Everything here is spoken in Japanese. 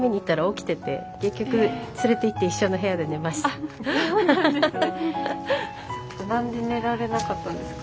あっそうなんですね。